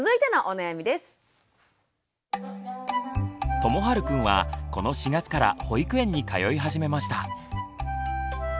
ともはるくんはこの４月から保育園に通い始めました。